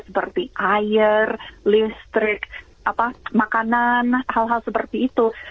seperti air listrik makanan hal hal seperti itu